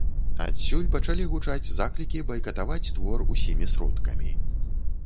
Адсюль пачалі гучаць заклікі байкатаваць твор усімі сродкамі.